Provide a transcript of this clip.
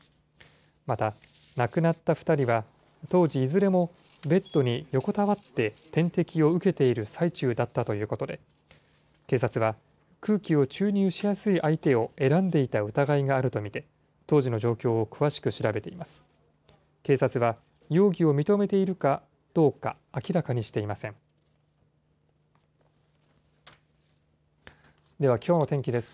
また亡くなった２人は、当時、いずれもベッドに横たわって点滴を受けている最中だったということで、警察は空気を注入しやすい相手を選んでいた疑いがあると見て、当時の状況を詳しく調べています。